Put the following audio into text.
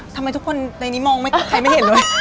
ทำไมทุกคนในนี้มองใครไม่เห็นเลย